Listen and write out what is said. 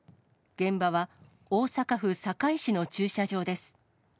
現場は大阪府堺市の駐車場です。